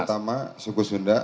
pertama suku sunda